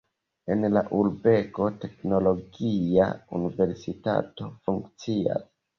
En la urbego teknologia universitato funkcias.